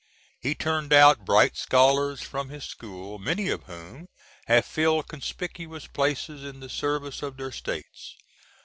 He turned out bright scholars from his school, many of whom have filled conspicuous places in the service of their States.